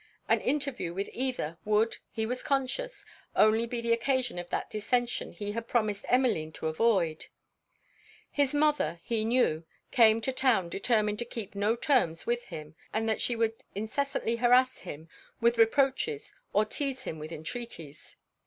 An interview with either, would, he was conscious, only be the occasion of that dissention he had promised Emmeline to avoid. His mother, he knew, came to town determined to keep no terms with him; and that she would incessantly harrass him with reproaches or teize him with entreaties.